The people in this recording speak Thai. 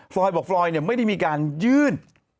รอยบอกฟรอยเนี่ยไม่ได้มีการยื่น